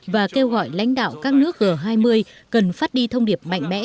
và kêu gọi lãnh đạo các nước g hai mươi cần phát đi thông điệp mạnh mẽ